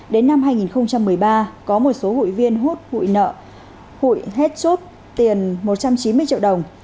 đến năm hai nghìn một mươi ba có một số hụi viên hốt hụi nợ hụi hết chốt tiền một trăm chín mươi triệu đồng